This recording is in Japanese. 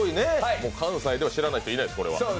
関西では知らない人いないです。